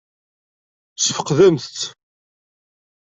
Tesfeqdemt-tt?